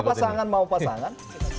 kalau pasangan mau pasangan